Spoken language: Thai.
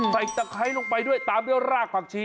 ไปก็ให้ลงไปด้วยตามอย่างรากผักชี